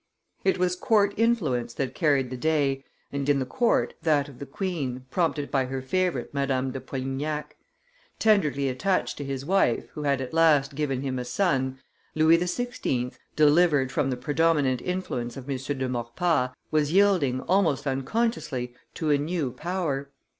It was court influence that carried the day, and, in the court, that of the queen, prompted by her favorite, Madame de Polignac. Tenderly attached to his wife, who had at last given him a son, Louis XVI., delivered from the predominant influence of M. de Maurepas, was yielding, almost unconsciously, to a new power.